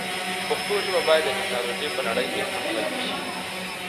پښتو ژبه باید د ټکنالوژۍ په نړۍ کې همغږي شي.